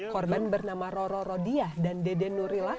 korban bernama roro rodiah dan dede nurillah